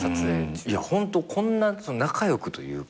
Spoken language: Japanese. いやホントこんな仲良くというか。